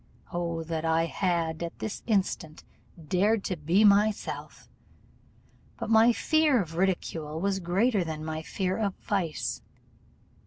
O that I had, at this instant, dared to be myself! But my fear of ridicule was greater than my fear of vice.